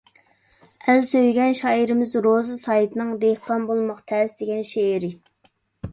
ئەل سۆيگەن شائىرىمىز روزى سايىتنىڭ «دېھقان بولماق تەس» دېگەن شېئىرى.